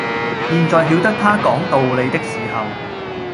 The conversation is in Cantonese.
現在曉得他講道理的時候，